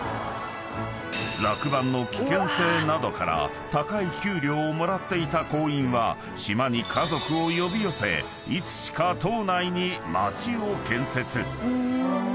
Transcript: ［落盤の危険性などから高い給料をもらっていた鉱員は島に家族を呼び寄せいつしか島内に街を建設］